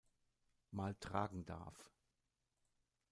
Mal tragen darf.